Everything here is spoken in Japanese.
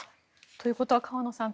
ということは河野さん